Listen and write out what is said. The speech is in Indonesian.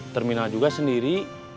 terminal juga sendiri